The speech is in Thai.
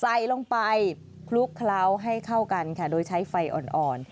ใส่ลงไปคลุกเคล้าให้เข้ากันค่ะโดยใช้ไฟอ่อน